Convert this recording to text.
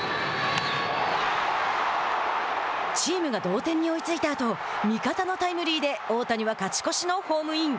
チームが同点に追いついたあと味方のタイムリーで大谷は勝ち越しのホームイン。